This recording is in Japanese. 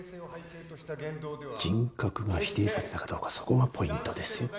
人格が否定されたかどうかそこがポイントですよ。